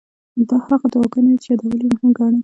دا هغه دعاګانې وې چې یادول یې مهم ګڼم.